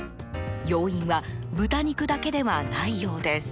要因は豚肉だけではないようです。